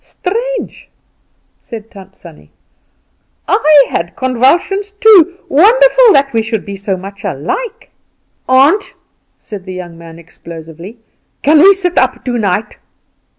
"Strange," said Tant Sannie; "I had convulsions too. Wonderful that we should be so much alike!" "Aunt," said the young man explosively, "can we sit up tonight?"